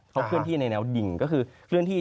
เขาเคลื่อนที่ในแนวดิ่งก็คือเคลื่อนที่